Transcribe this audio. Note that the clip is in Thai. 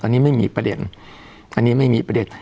อันนี้ไม่มีประเด็นอันนี้ไม่มีประเด็น